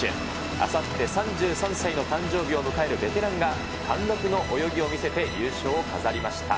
あさって３３歳の誕生日を迎えるベテランが、貫禄の泳ぎを見せて優勝を飾りました。